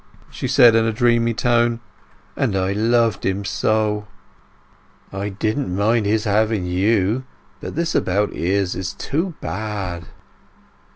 she said in a dreamy tone. "And I loved him so! I didn't mind his having you. But this about Izz is too bad!"